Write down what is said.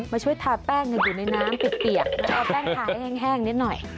มาช่วยทาแป้งไม่อยู่ในน้ำปลิกเปียกเขาก็แป้งทาให้แห้งนิดหน่อย